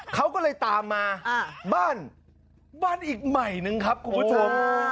เขาก็เลยตามมาบ้านบ้านอีกใหม่นึงครับคุณผู้ชม